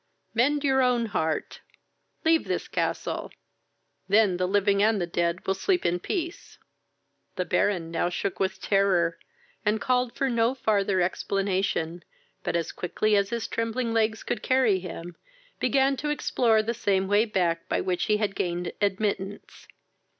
Mend your own heart; leave this castle: then the living and the dead will sleep in peace." The Baron now shook with terror; and called for no farther explanation, but, as quickly as his trembling legs could carry him, began to explore the same way back by which he had gained admittance.